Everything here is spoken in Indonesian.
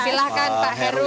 silahkan pak heru